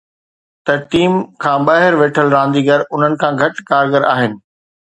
ته ٽيم کان ٻاهر ويٺل رانديگر انهن کان گهٽ ڪارگر آهن.